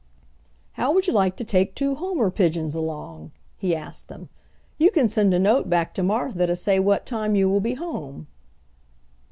"How would you like to take two homer pigeons along?" he asked them. "You can send a note back to Martha to say what time you will be home."